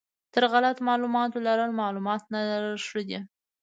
تر غلط معلومات لرل معلومات نه لرل ښه دي.